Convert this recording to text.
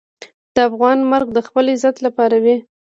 د افغان مرګ د خپل عزت لپاره وي.